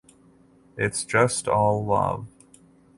It’s just all love.